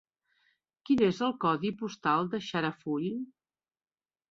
Quin és el codi postal de Xarafull?